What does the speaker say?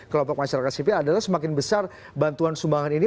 kelompok masyarakat sipil adalah semakin besar bantuan sumbangan ini